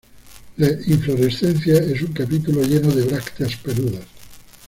La inflorescencia es un capítulo lleno de brácteas peludas.